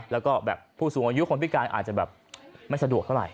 แล้วก็แบบผู้สูงอายุคนพิการอาจจะแบบไม่สะดวกเท่าไหร